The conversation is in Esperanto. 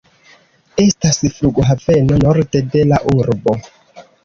Estas flughaveno norde de la urbo.